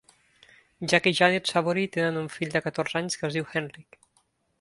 Jack i Janet Savory tenen un fill de catorze anys que es diu Heinrich.